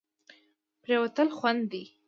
پرېوتل خوند دی.